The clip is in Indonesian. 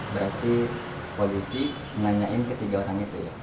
berarti polisi menanyakan ketiga orang itu ya